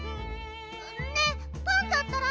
ねえパンタったら！